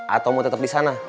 atau mau tetap di sana